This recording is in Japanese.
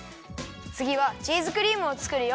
つぎはチーズクリームをつくるよ。